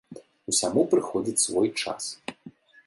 Усяму прыходзіць свой час.